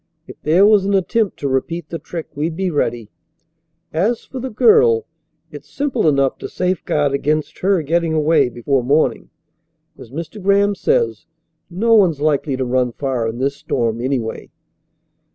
If there was an attempt to repeat the trick we'd be ready. As for the girl, it's simple enough to safeguard against her getting away before morning. As Mr. Graham says, no one's likely to run far in this storm, anyway."